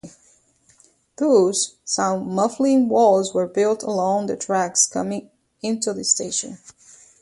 Thus, sound-muffling walls were built along the tracks coming into the station.